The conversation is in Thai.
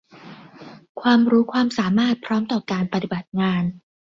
ความรู้ความสามารถพร้อมต่อการปฏิบัติงาน